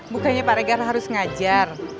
bukannya pak regar harus ngajar